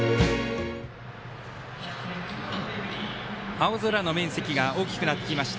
青空の面積が大きくなってきました。